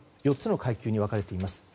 ４つの階級に分かれています。